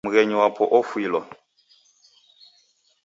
Mghenyu wapo ofuilwa.